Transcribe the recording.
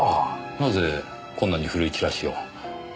なぜこんなに古いチラシを？